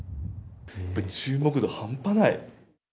注目度、半端ない。